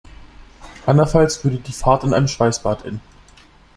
Anderenfalls würde die Fahrt in einem Schweißbad enden.